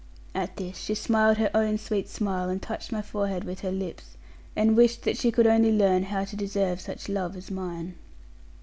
At this she smiled her own sweet smile, and touched my forehead with her lips, and wished that she could only learn how to deserve such love as mine.